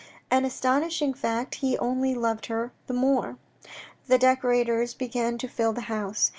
An astonishing fact, he only loved her the more. The decorators began to fill the house.